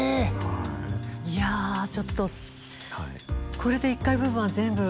いやちょっとこれで１階部分は全部埋まってしまう。